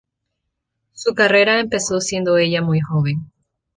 Su carrera empezó siendo ella muy joven.